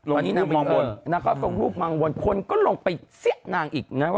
วันนี้มองว่นในโร่ลูกมองว่นคนก็ลงไปเซี๊ะนางอีก